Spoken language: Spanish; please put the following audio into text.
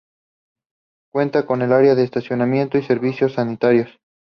Cuenta con área de estacionamiento y servicios sanitarios.